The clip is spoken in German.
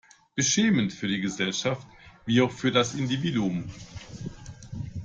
Beschämend für die Gesellschaft, wie auch für das Individuum.